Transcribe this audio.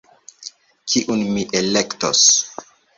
Kiun mi elektos.